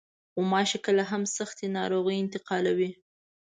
غوماشې کله هم سختې ناروغۍ انتقالوي.